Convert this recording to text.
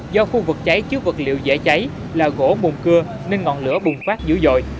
do khu vực cháy chứa vật liệu dễ cháy là gỗ mùn cưa nên ngọn lửa bùng phát dữ dội